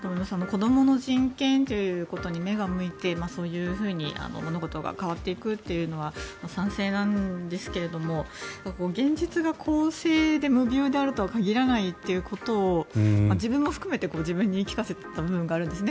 子どもの人権ということに目が向いて、そういうふうに物事が変わっていくのは賛成ですが現実が公正で無びゅうであるとは限らないということを自分も含めて自分に言い聞かせていた部分があるんですね。